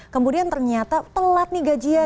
kemudian ternyata telat nih gajian